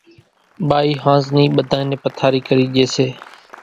ٻائِي ۿانز نِي ٻڌانئين نين پٿارِي ڪرِي ڄيَ سي۔